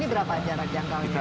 ini berapa jarak jangkau yang paling